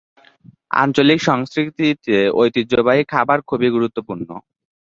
আঞ্চলিক সংস্কৃতিতে ঐতিহ্যবাহী খাবার খুবই গুরুত্বপূর্ণ।